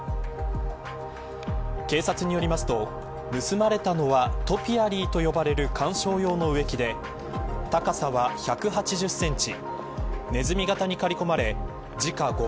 警察によりますと盗まれたのはトピアリーと呼ばれる観賞用の植木で高さは１８０センチ